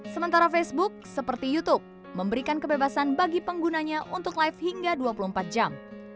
sementara facebook seperti youtube memberikan kebebasan bagi penggunanya untuk live hingga dua puluh empat jam